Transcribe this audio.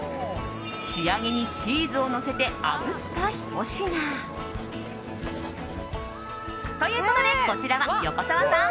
仕上げにチーズをのせてあぶったひと品。ということで、こちらは横澤さん